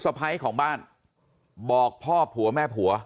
สะพ้ายของบ้านบอกพ่อผัวแม่ผัว